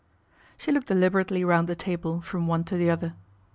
" She looked deliberately round the table, from one to the other.